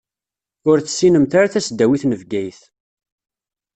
Ur tessinemt ara tasdawit n Bgayet.